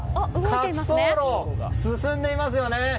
滑走路、進んでいますよね。